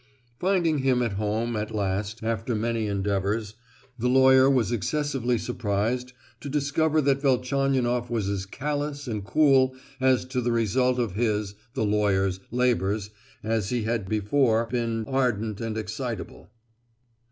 Finding him at home at last, after many endeavours, the lawyer was excessively surprised to discover that Velchaninoff was as callous and cool as to the result of his (the lawyer's) labours, as he had before been ardent and excitable.